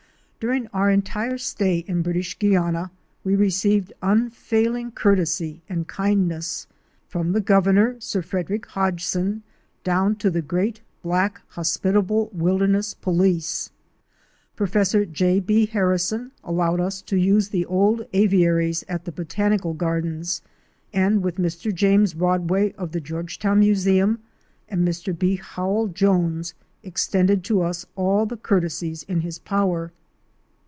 During our entire stay in British Guiana we received unfailing courtesy and kindness, — from the Governor, Sir Frederick Hodgson, down to the great black hospitable wilderness police. Professor J. B. Harrison allowed us to use the old aviaries at the Botanical Gardens, and with Mr. James Rodway of the Georgetown Museum and Mr. B. Howell Jones, extended to us all the courtesies in his power.